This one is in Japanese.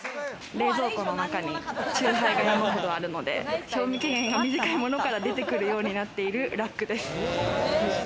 冷蔵庫の中に酎ハイが山ほどあるので、賞味期限が短いものから出てくるようになっているラックです。